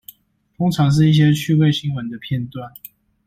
通常是一些趣味新聞的片段